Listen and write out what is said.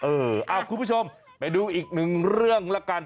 คุณผู้ชมไปดูอีกหนึ่งเรื่องละกัน